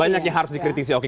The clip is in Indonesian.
banyak yang harus dikritisi oke